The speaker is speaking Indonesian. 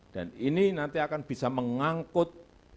dan ini nanti akan bisa mengangkut